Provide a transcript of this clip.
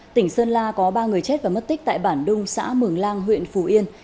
tỉnh sơn la có ba người chết và mất tích tại bản đung xã mường lang huyện phù yên